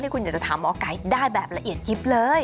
ที่คุณจะจะถามหมอกัยได้รายละเอียดริปเลย